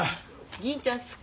銀ちゃん好き。